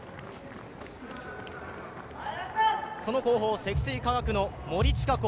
その後方、積水化学の森智香子。